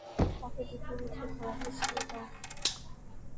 তাকে ডেকে বলছে, ঘোড়াটি ছেড়ে দাও।